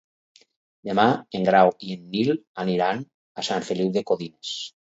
Demà en Grau i en Nil aniran a Sant Feliu de Codines.